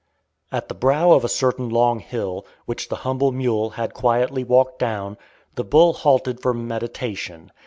At the brow of a certain long hill, which the humble mule had quietly walked down, the bull halted for meditation.